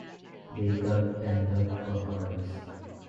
They dug and dug for hours.